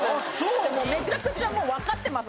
めちゃくちゃ分かってます